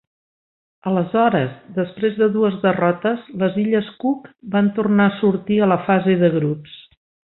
Aleshores, després de dues derrotes, les illes Cook van tornar sortir a la fase de grups.